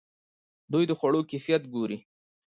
دوی د خوړو کیفیت ګوري.